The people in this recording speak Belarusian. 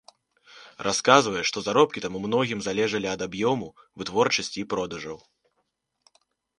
Расказвае, што заробкі там у многім залежалі ад аб'ёму вытворчасці і продажаў.